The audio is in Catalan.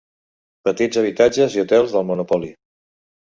Petits habitatges i hotels del Monopoly.